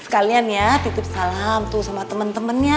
sekalian ya titip salam tuh sama temen temennya